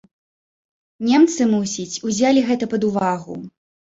Немцы, мусіць, узялі гэта пад увагу.